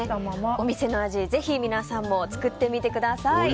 お店の味、ぜひ皆さんも作ってみてください。